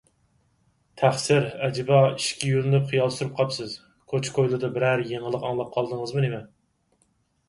تەقسىر، ئەجەبا، ئىشىككە يۆلىنىپ خىيال سۈرۈپ قاپسىز، كوچا - كويلىدا بىرەر يېڭىلىق ئاڭلاپ قالدىڭىزمۇ نېمە؟